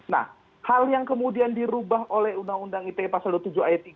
nah hal yang kemudian dirubah oleh undang undang ite pasal dua puluh tujuh ayat tiga